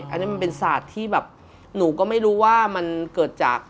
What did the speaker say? อันนี้มันเป็นศาสตร์ที่แบบหนูก็ไม่รู้ว่ามันเกิดจาก